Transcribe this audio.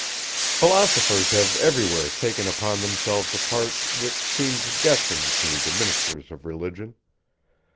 Philosophers have every where taken upon themselves a part, which seemed destined to the ministers of Religion.